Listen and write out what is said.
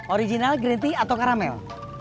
original gritty atau karamel